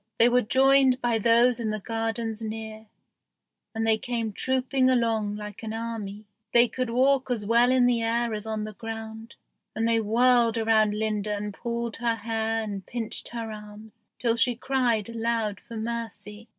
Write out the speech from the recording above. They were joined by those in the gardens near, and they came trooping along like an army. They could walk as well in the air as on the ground; and they whirled around Linda and pulled her hair and pinched her arms, till she cried aloud for mercy.